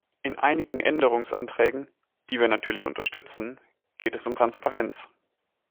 In einigen Änderungsanträgen, die wir natürlich unterstützen, geht es um Transparenz.